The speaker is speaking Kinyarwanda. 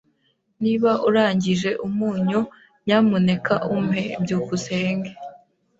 Niba urangije umunyu, nyamuneka umpe. byukusenge